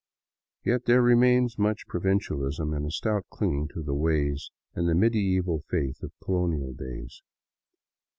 Yet there remains much provincialism and a stout cHnging to the ways and the medieval faith of colonial days.